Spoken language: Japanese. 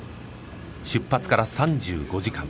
出発から３５時間